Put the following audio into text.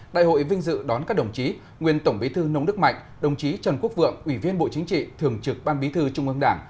đại hội vinh dự đón các đồng chí nguyên tổng bí thư nông đức mạnh đồng chí trần quốc vượng ủy viên bộ chính trị thường trực ban bí thư trung ương đảng